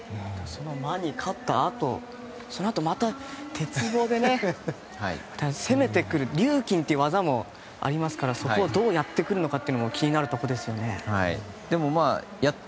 その魔に勝ったあとそのあと鉄棒で攻めてくるリューキンという技もありますからそこをどうやってくるのかも気になるところですね。